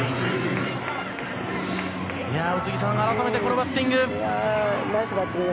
宇津木さん、改めてこのバッティング。